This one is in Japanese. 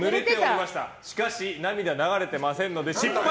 しかし涙は流れてませんので失敗。